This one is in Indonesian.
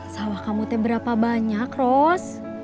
sawah kamutnya berapa banyak ros